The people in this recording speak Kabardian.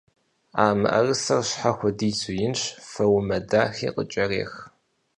А мыӀэрысэр щхьэ хуэдизу инщ, фоумэ дахи къыкӀэрех.